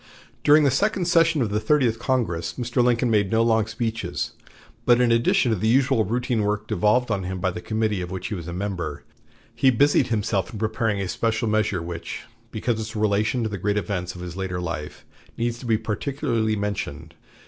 During the second session of the Thirtieth Congress Mr. Lincoln made no long speeches, but in addition to the usual routine work devolved on him by the committee of which he was a member, he busied himself in preparing a special measure which, because of its relation to the great events of his later life, needs to be particularly mentioned.